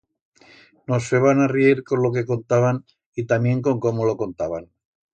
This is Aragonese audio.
Nos feban arrier con lo que contaban y tamién con cómo lo contaban.